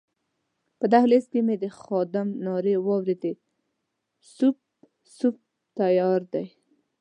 په دهلېز کې مې د خادم نارې واورېدې سوپ، سوپ تیار دی.